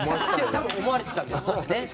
多分思われてたんでしょうね。